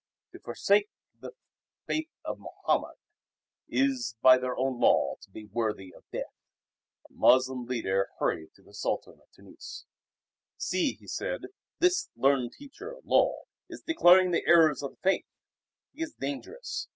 To forsake the Faith of Mohammed is by their own law to be worthy of death. A Moslem leader hurried to the Sultan of Tunis. "See," he said, "this learned teacher, Lull, is declaring the errors of the Faith. He is dangerous.